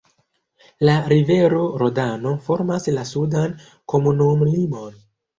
La rivero Rodano formas la sudan komunumlimon.